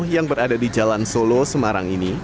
yang berada di jalan solo semarang ini